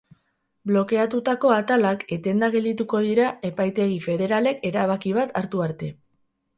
Blokeatutako atalak etenda geldituko dira epaitegi federalek erabaki bat hartu arte.